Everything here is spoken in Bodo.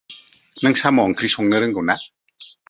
नों सम' ओंख्रि संनो रोंगौ ना?